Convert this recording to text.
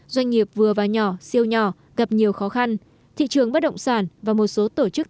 doanh nghiệp vừa và nhỏ siêu nhỏ gặp nhiều khó khăn thị trường bất động sản và một số tổ chức